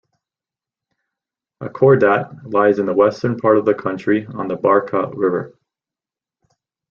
Agordat lies in the western part of the country on the Barka River.